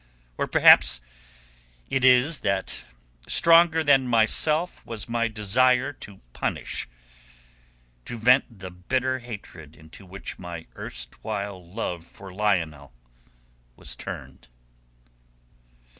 Or perhaps it is that stronger than myself was my desire to punish, to vent the bitter hatred into which my erstwhile love for Lionel was turned."